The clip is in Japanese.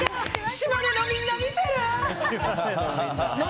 島根のみんな、見てるー？